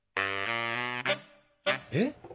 えっ！？